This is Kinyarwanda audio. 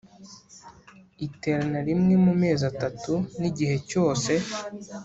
Iterana rimwe mu mezi atatu n igihe cyose